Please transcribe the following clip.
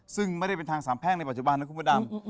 ซึ่งไม่ได้เป็นทางสามแพ่งในปัจจุบันนะคุณพระดำ